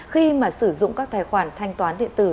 khi mà sử dụng các tài khoản thanh toán điện tử